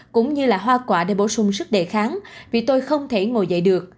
cũng như là hoa quả để bổ sung sức đề kháng vì tôi không thể ngồi dậy được